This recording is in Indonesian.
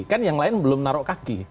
kan yang lain belum naruh kaki